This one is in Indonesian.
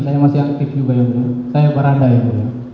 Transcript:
saya masih aktif juga ya mulia saya barada yang mulia